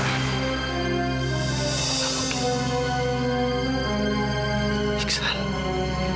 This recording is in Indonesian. tapi kalau kamu mau ikut sama aku aku mau langsung pulang